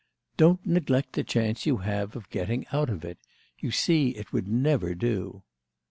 "Don't neglect the chance you have of getting out of it. You see it would never do."